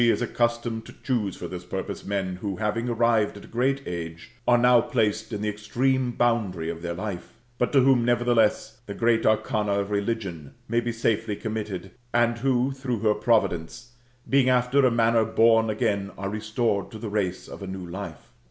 906 THB MSTAMORPROSIS, OR is accustomed to choose for this purpose men who, having arriyed at a great age, are now placed in the extreme boundary of their life, but to whom, nevertheless, the gneat arcana of religion may be safely committed, and who, through her providence, being after a manner bom again, are restored to the race of a new life.